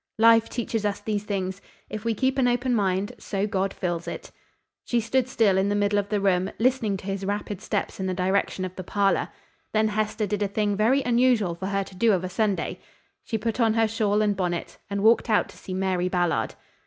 "Life teaches us these things. If we keep an open mind, so God fills it." She stood still in the middle of the room, listening to his rapid steps in the direction of the parlor. Then Hester did a thing very unusual for her to do of a Sunday. She put on her shawl and bonnet and walked out to see Mary Ballard.